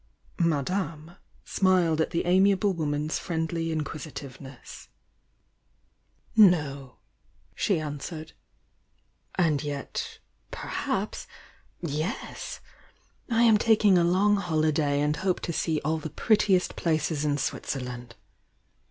"Madame" smiled at the amiable woman's friend ly inquisitivencss. 1144 THK VOUNG DIANA "No," she answered.— "And yet— perhsp*— yes! I am taking a long holiday and hopie to aee all the prettiest places in Switzerland!"